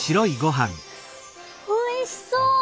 おいしそう！